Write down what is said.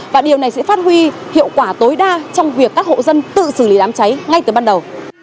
và điều này sẽ phát huy hiệu quả tối đa trong việc các hộ dân tự xử lý đám cháy ngay từ ban đầu